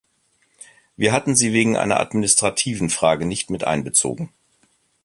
Wir hatten sie wegen einer administrativen Frage nicht mit einbezogen.